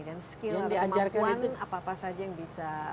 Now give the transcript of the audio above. dan skill atau kemampuan apa saja yang bisa